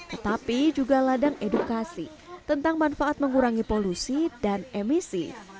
tetapi juga ladang edukasi tentang manfaat mengurangi polusi dan emisi